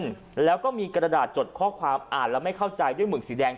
แล้วก็มีกระดาษจดข้อความอ่านแล้วไม่เข้าใจด้วยหมึกสีแดง